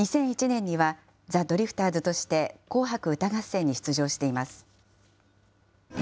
２００１年には、ザ・ドリフターズとして紅白歌合戦に出場しています。